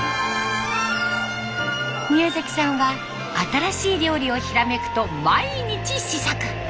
宮崎さんは新しい料理をひらめくと毎日試作。